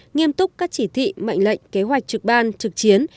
nghiêm túc các chỉ thị mệnh lệnh kế hoạch trực ban trực chiến